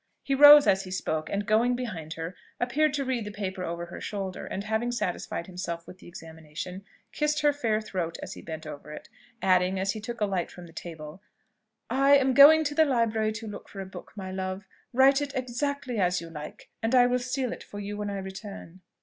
He rose as he spoke, and going behind her, appeared to read the paper over her shoulder, and having satisfied himself with the examination, kissed her fair throat as he bent over it, adding, as he took a light from the table, "I am going to the library to look for a book, my love: write it exactly as you like, and I will seal it for you when I return."